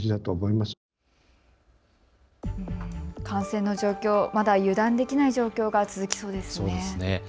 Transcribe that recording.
感染の状況、まだ油断できない状況が続きそうですね。